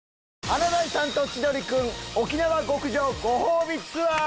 『華大さんと千鳥くん』沖縄極上ご褒美ツアー。